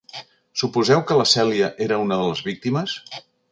Suposeu que la Cèlia era una de les víctimes?